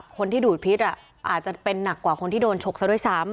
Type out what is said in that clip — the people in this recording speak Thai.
คนที่ดูดพิษอาจจะเป็นหนักกว่าคนที่โดนฉกซะด้วยซ้ำ